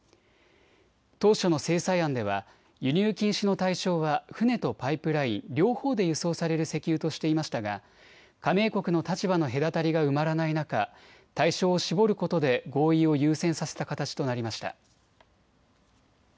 当初の制裁案では輸入禁止の対象は船とパイプライン、両方で輸送される石油としていましたが加盟国の立場の隔たりが埋まらない中、対象を絞ることで合意を優先させた形となりました。